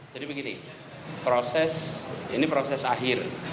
jadi begini ini proses akhir